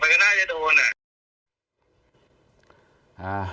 พี่ก็น่าจะไม่รู้อ่ะผม